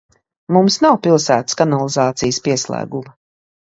Mums nav pilsētas kanalizācijas pieslēguma.